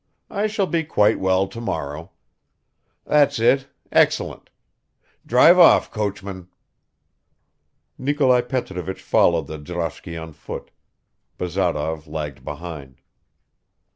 I shall be quite well tomorrow. That's it; excellent. Drive off, coachman." Nikolai Petrovich followed the droshky on foot. Bazarov lagged behind